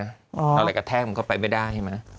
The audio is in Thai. เอาไหล่กระแทกมันก็ไปไม่ได้